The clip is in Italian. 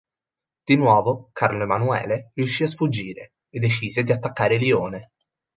Di nuovo, Carlo Emanuele riuscì a sfuggire, e decise di attaccare Lione.